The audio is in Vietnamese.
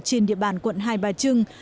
trên địa bàn quận hai bà trưng